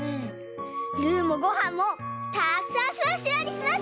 ルーもごはんもたくさんしわしわにしました！